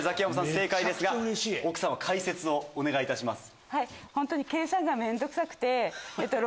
正解ですが奥さま解説をお願いいたします。